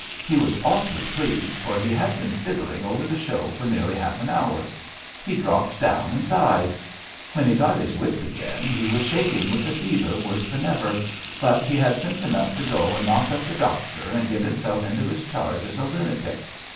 He was awfully pleased, for he had been fiddling over the show for nearly half an hour. He dropped down and died. When» he got his wits again, he was shaking with the fever worse than ever, but he had sense enough to go and Iqiock up the doctor and give himself into his charge as a lunatic.